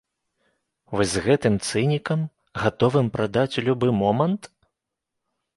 Вось з гэтым цынікам, гатовым прадаць у любы момант?